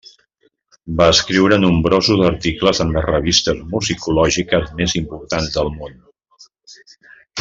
Va escriure nombrosos articles en les revistes musicològiques més importants del món.